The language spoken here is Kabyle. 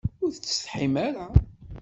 Ur tsetḥim ara?